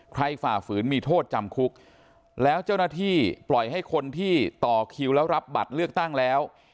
ฝ่าฝืนมีโทษจำคุกแล้วเจ้าหน้าที่ปล่อยให้คนที่ต่อคิวแล้วรับบัตรเลือกตั้งแล้ว